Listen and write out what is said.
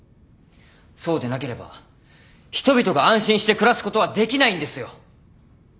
そうでなければ人々が安心して暮らすことはできないんですよ。